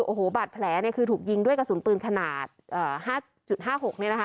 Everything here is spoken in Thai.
โอ้โหบาดแผลเนี่ยคือถูกยิงด้วยกระสุนปืนขนาด๕๕๖เนี่ยนะคะ